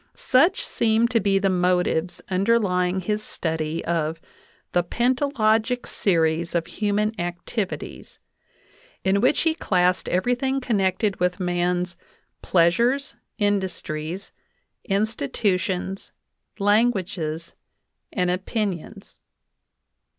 Such seem to be the motives underlying his study of the "pentalogic series of human activities," in which he classed everything connected with man's "pleasures, industries, in. titutions, languages, and opinions."